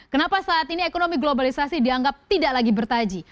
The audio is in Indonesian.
kenapa saat ini ekonomi globalisasi dianggap tidak lagi bertaji